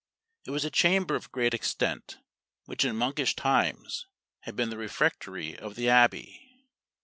It was a chamber of great extent, which in monkish times had been the refectory of the Abbey.